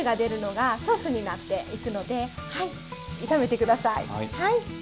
はい。